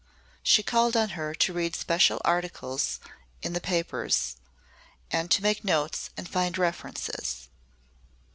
She called on her to read special articles in the papers, and to make notes and find references.